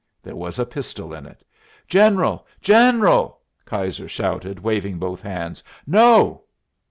There was a pistol in it. "General! General!" Keyser shouted, waving both hands, "No!"